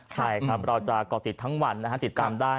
ใช่ครับเราจะก่อติดทั้งวันนะฮะติดตามได้